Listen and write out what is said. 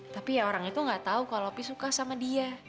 tapi ya orang itu gak tau kalau opi suka sama dia